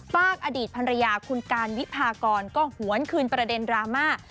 ฝากอดีตภรรยาคุณการวิพากรก็หวนคืนประเด็นดราม่า